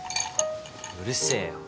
うるせぇよ。